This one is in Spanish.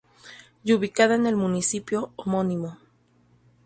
Y ubicada en el municipio homónimo.